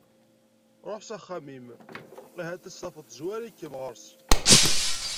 Ruḥ s axxam-im ahat ad tt-tafeḍ tezwar-ikem ɣer-s.